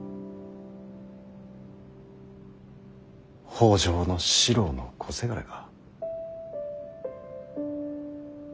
北条四郎の小せがれが。